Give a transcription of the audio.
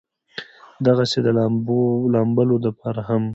دغسې د لامبلو د پاره هم